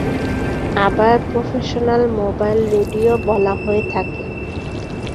আবার professional mobile radio বলা হয়ে থাকে।